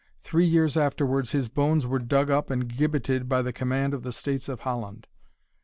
Three years afterwards, his bones were dug up and gibbeted by the command of the States of Holland.